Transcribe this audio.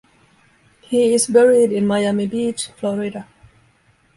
He is buried in Miami Beach, Florida.